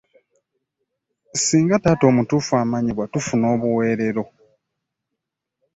Ssinga taata omutuufu amanyibwa tufuna obuweerero.